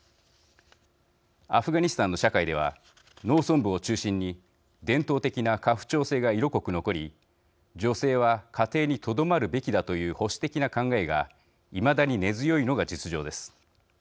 アフガニスタンの社会では農村部を中心に伝統的な家父長制が色濃く残り女性は家庭にとどまるべきだという保守的な考えがいまだに根強いのが実情です。